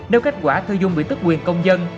nếu kết quả thư dung bị tức quyền công dân